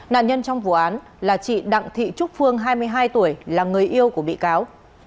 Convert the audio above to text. nạn nhân trong vụ án là chị đặng thị trúc phương hai mươi hai tuổi là người yêu của bị cáo